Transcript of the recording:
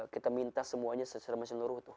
kita minta semuanya secara masyarakat